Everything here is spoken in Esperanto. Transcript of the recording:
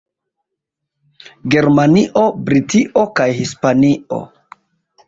Germanio, Britio kaj Hispanio.